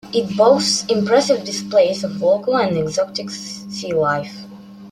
It boasts impressive displays of local and exotic sealife.